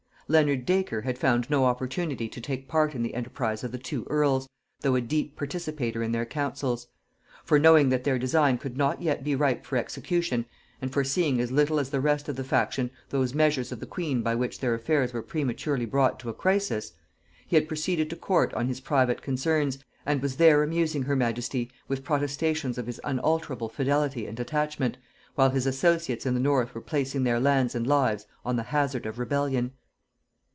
Leonard Dacre had found no opportunity to take part in the enterprise of the two earls, though a deep participator in their counsels; for knowing that their design could not yet be ripe for execution, and foreseeing as little as the rest of the faction those measures of the queen by which their affairs were prematurely brought to a crisis, he had proceeded to court on his private concerns, and was there amusing her majesty with protestations of his unalterable fidelity and attachment, while his associates in the north were placing their lands and lives on the hazard of rebellion.